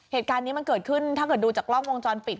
เหตุการณ์นี้มันเกิดขึ้นถ้าเกิดดูจากกล้องวงจรปิด